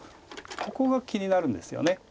ここが気になるんですよね。